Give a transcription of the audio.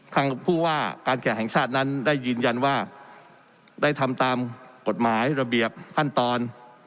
ทางผู้ว่าการแขกแห่งชาตินั้นได้ยืนยันว่าได้ทำตามกฎหมายระเบียบขั้นตอน